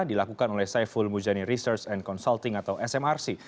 dilakukan oleh saiful mujani research and consulting atau smrc